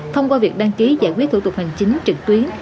thông qua việc đăng ký giải quyết thủ tục hành chính trực tuyến